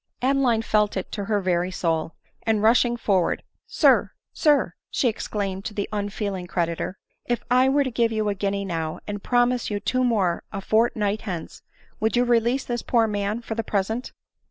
Adeline felt it to her very soul ; and, rushing forward, " Sir, sir," she exclaimed to the unfeeling creditor, " if I were to give you a guinea now, and promise you two more a fortnight hence, would you release this poor man for the present